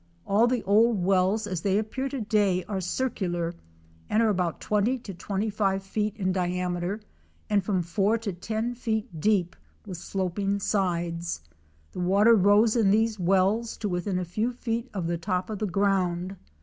All the old wells as they appear to day are circular and are about 20 or 25 feet in diameter and from four to ten feet deep with sloping sides. The water rose in these wells to within a few feet of the top of the ground.